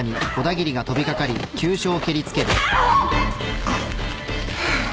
あっ！